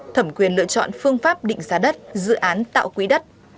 thẩm quyền lựa chọn phương pháp định giá đất dự án tạo quý đất